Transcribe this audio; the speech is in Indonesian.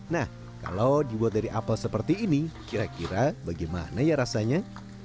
nah kalau dibuat dari apel seperti ini kira kira bagaimana ya rasanya